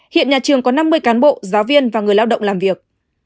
hiện nhà trường có năm mươi cán bộ giáo viên và người lao động làm việc